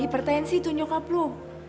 hipertensi itu nyokap lu